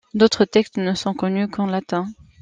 D'autres textes ne sont connus qu'en latin.